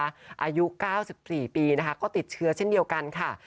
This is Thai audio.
อายุ๙๔ปีนะคะก็ติดเชื้อเช่นเดียวกันค่ะ